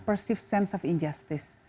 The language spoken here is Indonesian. perasaan tidak adil